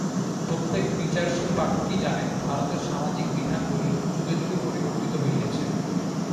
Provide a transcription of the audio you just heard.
প্রত্যেক বিচারশীল পাঠকই জানেন, ভারতের সামাজিক বিধানগুলি যুগে যুগে পরিবর্তিত হইয়াছে।